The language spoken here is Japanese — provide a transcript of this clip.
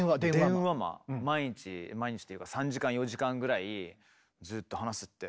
毎日毎日というか３時間４時間ぐらいずっと話すって。